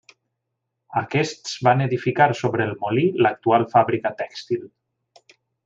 Aquests van edificar, sobre el molí, l'actual fàbrica tèxtil.